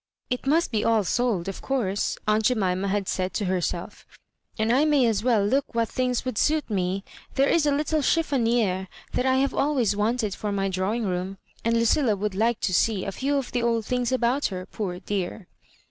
''It must be all sold, of course," aunt Jemima had said to herself '' and I may as well look what things would suit me; there is a little chiffonier that I have always wanted for my drawing*room, and Lucilla woiUd like to see a few of the old things about her, poor dear.